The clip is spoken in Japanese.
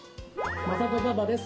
まさとパパです！